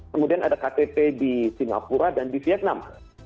kemudian ada ktp di singapura dan di vietnam